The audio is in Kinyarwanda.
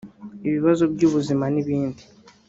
ibibazo by’ubuzima n’ibindi